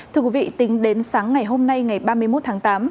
thưa quý vị tính đến sáng ngày hôm nay ngày ba mươi một tháng tám